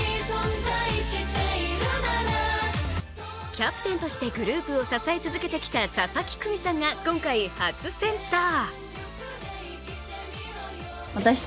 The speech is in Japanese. キャプテンとしてグループを支え続けてきた佐々木久美さんが今回、初センター。